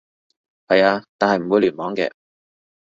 係啊，但係唔會聯網嘅